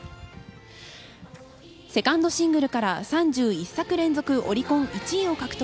セカンドシングルから３１作連続オリコン１位を獲得。